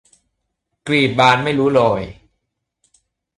กลีบบานไม่รู้โรย